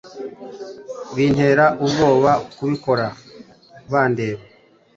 bintera ubwoba kubikora bandeba